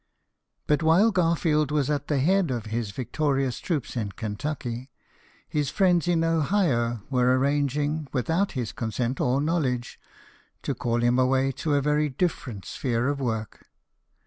But while Garfield was at the head of his victorious troops in Kentucky, his friends in Ohio were arranging, without his consent or knowledge, to call him away to a very different sphere of work.